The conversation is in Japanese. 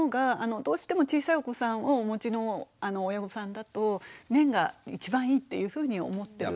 どうしても小さいお子さんをお持ちの親御さんだと綿が一番いいっていうふうに思ってる。